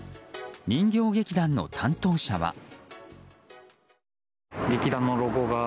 人形劇団の担当者は。